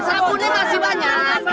sabunnya masih banyak